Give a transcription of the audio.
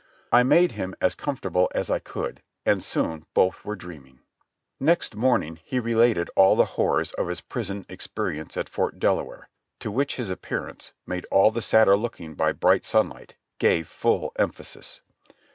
I made him as comfortable as I could and soon both were dreaming. Next morning he related all the horrors of his prison exper ience at Fort Delaware, to which his appearance, made all the sadder looking by bright sunlight, gave full emphasis.